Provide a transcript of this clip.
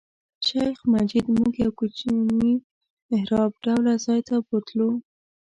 شیخ مجید موږ یو کوچني محراب ډوله ځای ته بوتلو.